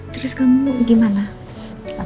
terus kamu gimana